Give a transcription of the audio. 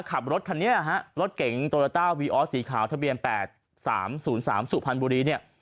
ขับรถคันนี้ฮะรถเก๋งโตโยต้าวีออสสีขาวทะเบียน๘๓๐๓สุพรรณบุรีเนี่ย